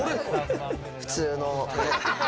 普通の。